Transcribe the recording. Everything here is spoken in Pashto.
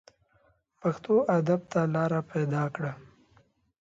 پښتو ادب ته لاره پیدا کړه